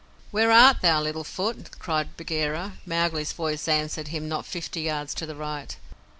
"Where art thou, Little Foot?" cried Bagheera. Mowgli's voice answered him not fifty yards to the right.